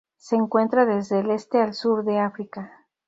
Se encuentra desde el este al sur de África.